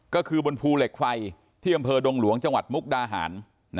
ก็คือบนภูเหล็กไฟที่อำเภอดงหลวงจังหวัดมุกดาหาร